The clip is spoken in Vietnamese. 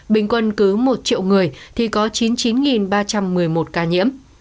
bình quân cứ một triệu người thì có chín mươi chín ba trăm một mươi một ca nhiễm